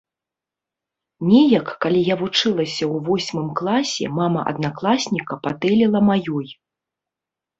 Неяк, калі я вучылася ў восьмым класе, мама аднакласніка патэліла маёй.